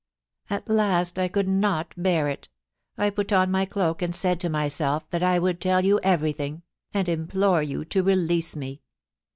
At last I could not bear it I put on my cloak, and said to myself that I would tell you everything, and implore you to release me.